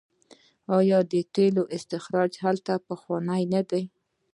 آیا د تیلو استخراج هلته پخوانی نه دی؟